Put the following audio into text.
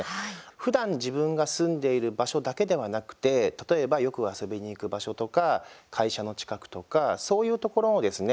ふだん自分が住んでいる場所だけではなくて例えば、よく遊びに行く場所とか会社の近くとかそういうところのですね